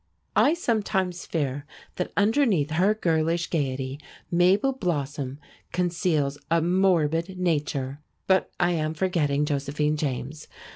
I sometimes fear that underneath her girlish gayety Mabel Blossom conceals a morbid nature. But I am forgetting Josephine James.